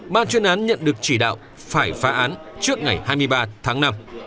ban chuyên án nhận được chỉ đạo phải phá án trước ngày hai mươi ba tháng năm